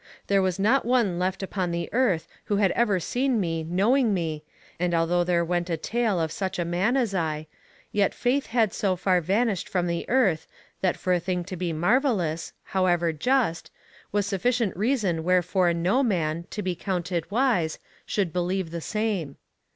There was not one left upon the earth who had ever seen me knowing me, and although there went a tale of such a man as I, yet faith had so far vanished from the earth that for a thing to be marvellous, however just, was sufficient reason wherefore no man, to be counted wise, should believe the same.